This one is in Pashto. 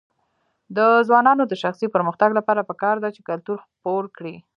د ځوانانو د شخصي پرمختګ لپاره پکار ده چې کلتور خپور کړي.